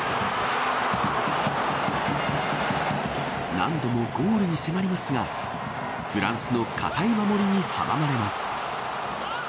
何度もゴールに迫りますがフランスの堅い守りに阻まれます。